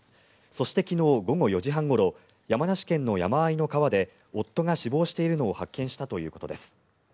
そして、昨日午後４時半ごろ山梨県の山あいの川で夫が死亡しているのを発見したということです。